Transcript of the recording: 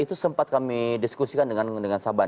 itu sempat kami diskusikan dengan sahabat bandar gitu ya